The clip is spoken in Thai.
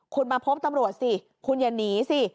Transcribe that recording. คุณมาพบตำรวจสิคุณอย่าหนีสิ